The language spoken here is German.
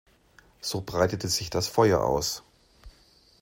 So breitete sich das Feuer aus.